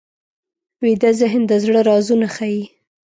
ویده ذهن د زړه رازونه ښيي